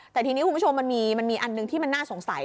แต่ทีนี้คุณผู้ชมมันมีอันหนึ่งที่มันน่าสงสัย